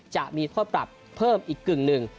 จะมีโทษปรับเพิ่มอีกกึ่งหนึ่ง